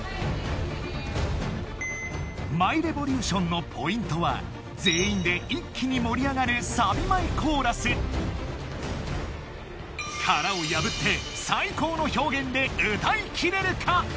「ＭｙＲｅｖｏｌｕｔｉｏｎ」のポイントは全員で一気に盛り上がるサビ前コーラス殻を破って最高の表現で歌いきれるか？